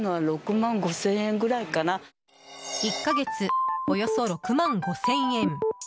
１か月およそ６万５０００円。